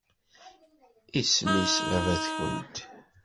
Isem-is baba-tkent?